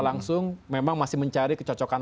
langsung memang masih mencari kecocokan